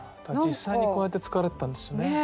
実際にこうやって使われてたんですよね。